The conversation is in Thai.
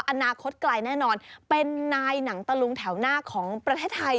อนาคตไกลแน่นอนเป็นนายหนังตะลุงแถวหน้าของประเทศไทย